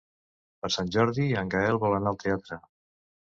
Per Sant Jordi en Gaël vol anar al teatre.